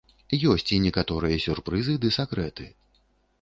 Ёсць і некаторыя сюрпрызы ды сакрэты.